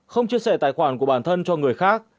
không chia sẻ tài khoản của bản thân cho người khác